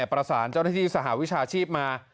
ประสานเจ้าหน้าที่สหวิชาชีพมา